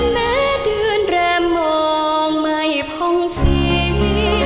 แม้เดือนแรมมองไม่พองศรี